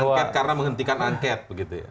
angket karena menghentikan angket